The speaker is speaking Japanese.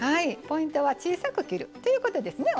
ポイントは小さく切るということですね